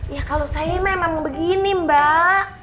ya kalau saya memang begini mbak